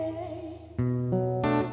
yeah yeah yeah